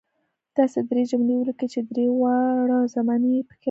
داسې درې جملې ولیکئ چې درې واړه زمانې پکې راغلي وي.